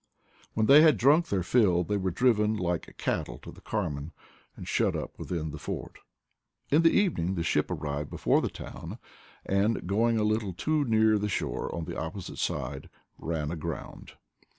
When they had drunk their fill, they were driven like cattle to the Carmen and shut up within the fort. In the evening the ship arrived before the town, and, going a little too near the shore on the opposite side, ran aground.